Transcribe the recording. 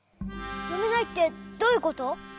よめないってどういうこと？